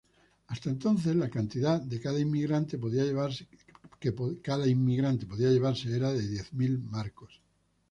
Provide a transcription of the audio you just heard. Hasta entonces, la cantidad que cada inmigrante podía llevarse era de diez mil marcos.